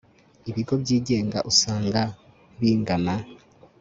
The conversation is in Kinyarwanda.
ibigo byigenga usanga bingana